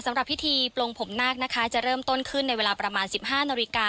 สำหรับพิธีปลงผมนาคนะคะจะเริ่มต้นขึ้นในเวลาประมาณ๑๕นาฬิกา